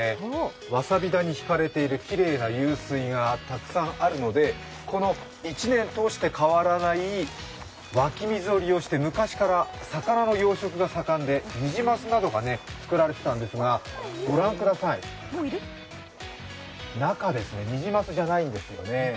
わさび田に引かれているきれいな湧水がたくさんあるのでこの１年通して、変わらない湧き水で昔から魚の養殖が盛んで、ニジマスなどが作られていたんですが、ご覧ください、中ですね、ニジマスじゃないんですね。